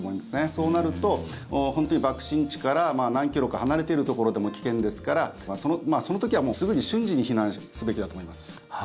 そうなると本当に、爆心地から何キロか離れているところでも危険ですからその時はもう、すぐに瞬時に避難すべきだと思います。